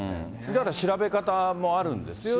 だから調べ方もあるんですよね。